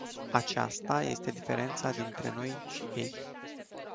Aceasta este diferența dintre noi și ei.